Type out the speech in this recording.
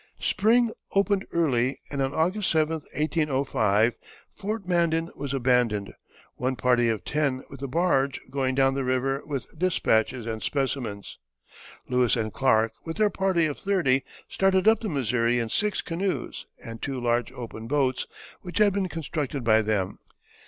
Spring opened early, and on April 7, 1805, Fort Mandan was abandoned, one party of ten with the barge going down the river with despatches and specimens. Lewis and Clark with their party of thirty started up the Missouri in six canoes and two large open boats, which had been constructed by them.